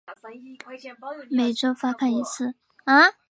每周发刊一次。